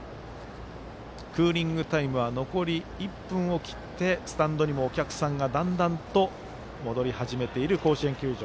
クーリングタイムは残り１分を切ってスタンドにもお客さんがだんだんと戻り始めている甲子園球場。